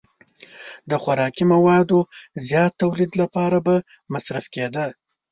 د خوراکي موادو زیات تولید لپاره به مصرف کېده.